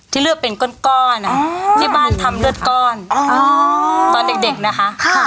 เลือกเป็นก้อนที่บ้านทำเลือดก้อนตอนเด็กนะคะ